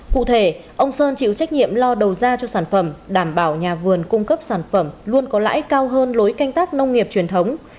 cụ thể ông sơn chịu trách nhiệm lo đầu ra cho sản phẩm đảm bảo nhà vườn cung cấp sản phẩm luôn có lãi cao hơn lối canh tác nông nghiệp truyền thống